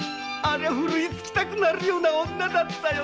ふるいつきたくなるような女だったよな。